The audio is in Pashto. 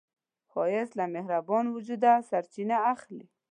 ښایست له مهربان وجوده سرچینه اخلي